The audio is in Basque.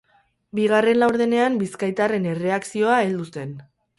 Bigarren laurdenean bizkaitarren erreakzioa heldu zen.